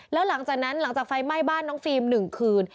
แล้วหลังจากนั้นหลังจากไฟไหม้บ้านน้องฟิล์ม๑คืน